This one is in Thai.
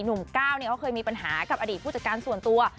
หนุ่มก้าวเนี่ยเขาเคยมีปัญหากับอดีตผู้จัดการส่วนตัว